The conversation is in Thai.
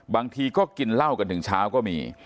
บางทีก็กินเหล้ากันถึงเช้าก็มี